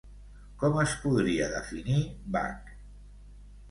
Com es podria definir bac?